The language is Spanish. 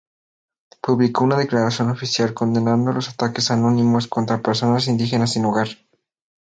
Publicó una declaración oficial condenando los ataques anónimos contra personas indígenas sin hogar.